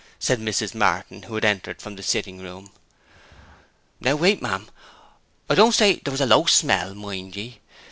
said Mrs. Martin, who had entered from the sitting room. 'Now, wait, ma'am. I don't say 'twere a low smell, mind ye.